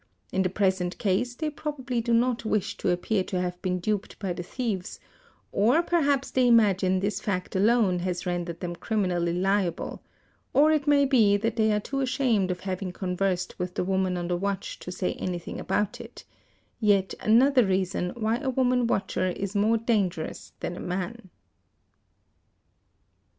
In the present case they — probably do not wish to appear to have been duped by the thieves, or — perhaps they imagine this fact alone has rendered them criminally liable, or it may be that they are too ashamed of having conversed with the ~ woman on the watch to say anything about it—yet another reason why a woman watcher is more dangerous than a man.